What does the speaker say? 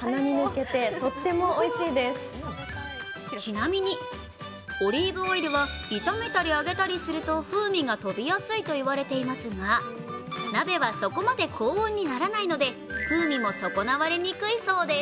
ちなみに、オリーブオイルは炒めたり揚げたりすると風味が飛びやすいと言われていますが鍋はそこまで高温にならないので、風味も損なわれにくいそうです。